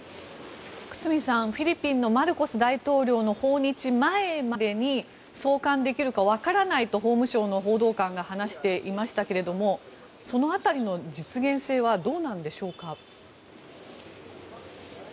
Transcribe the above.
久須美さん、フィリピンのマルコス大統領の訪日前までに送還できるかわからないと法務省の報道官が話していましたけれどもその辺りの実現性はどうなんでしょうか。